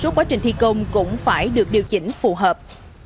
công cũng phải được điều chỉnh phù hợp